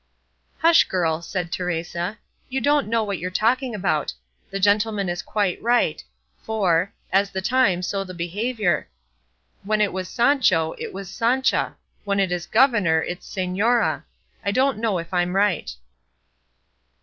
"Hush, girl," said Teresa; "you don't know what you're talking about; the gentleman is quite right, for 'as the time so the behaviour;' when it was Sancho it was 'Sancha;' when it is governor it's 'señora;' I don't know if I'm right."